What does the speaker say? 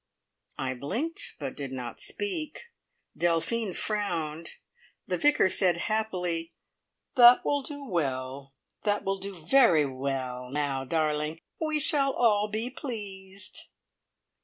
I blinked, but did not speak; Delphine frowned; the Vicar said happily, "That will do well. That will do very well! Now, darling, we shall all be pleased!"